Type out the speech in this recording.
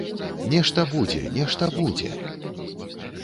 Нешта будзе, нешта будзе.